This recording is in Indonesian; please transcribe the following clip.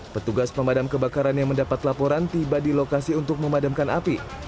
petugas pemadam kebakaran yang mendapat laporan tiba di lokasi untuk memadamkan api